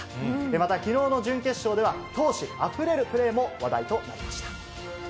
また、きのうの準決勝では、闘志あふれるプレーも話題となりました。